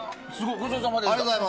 ごちそうさまでした。